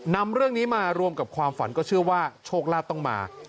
นำเรื่องนี้มารวมกับความฝันก็เชื่อว่าโชคลาภต้องมา